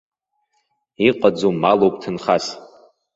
Иҟаӡоу малуп ҭынхас!